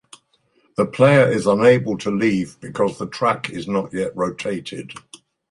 The player is unable to leave because the track is not yet rotated.